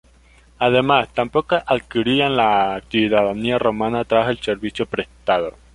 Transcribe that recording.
Además, tampoco adquirían la ciudadanía romana tras el servicio prestado.